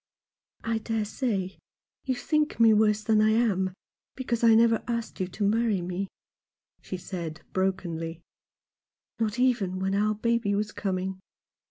"I dare say you think me worse than I am, because I never asked you to marry me," she said, brokenly, "not even when our baby was coming.